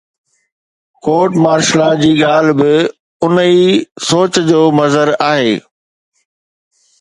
Court martial law جي ڳالهه به ان ئي سوچ جو مظهر آهي.